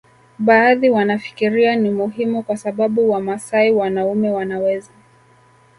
Baadhi wanafikiria ni muhimu kwa sababu Wamasai wanaume wanaweza